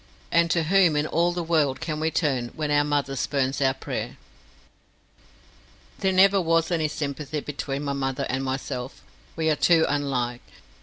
And to whom in all the world can we turn when our mother spurns our prayer? There never was any sympathy between my mother and myself. We are too unlike.